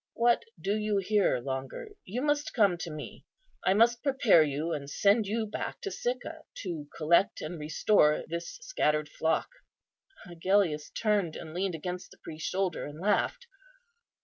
What do you here longer? you must come to me. I must prepare you, and send you back to Sicca, to collect and restore this scattered flock." Agellius turned, and leaned against the priest's shoulder, and laughed.